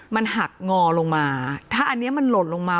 มันหักงอลงมาถ้าอันนี้มันหล่นลงมา